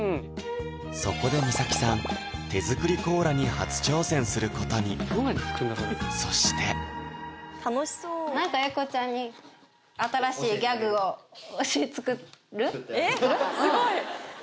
そこで美咲さん手作りコーラに初挑戦することにそして何か英孝ちゃんにえっすごい！